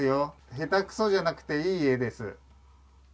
下手くそじゃなくていい絵です。